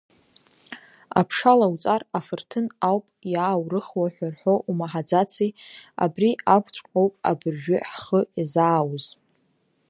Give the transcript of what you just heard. Аԥша лауҵар афырҭын ауп иааурыхуа ҳәа рҳәо умаҳаӡаци, абри акәҵәҟьоуп абыржәы ҳхы иазаауз!